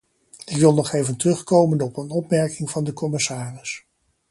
Ik wil nog even terugkomen op een opmerking van de commissaris.